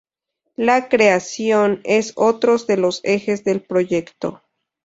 La creación es otros de los ejes del proyecto.